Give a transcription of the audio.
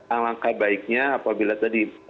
alangkah baiknya apabila tadi